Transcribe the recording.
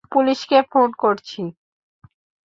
পুলিশকে ফোন করছি।